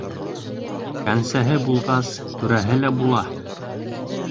Кәнсәһе булғас, түрәһе лә була.